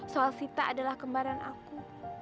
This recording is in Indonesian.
soal sita adalah kembaran aku